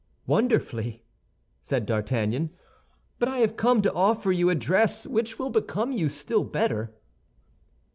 "Wonderfully," said D'Artagnan; "but I come to offer you a dress which will become you still better."